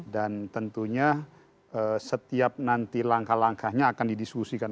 dan tentunya setiap nanti langkah langkahnya akan didiskusikan